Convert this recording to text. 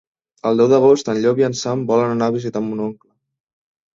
El deu d'agost en Llop i en Sam volen anar a visitar mon oncle.